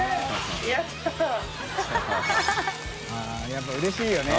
◆舛やっぱうれしいよね。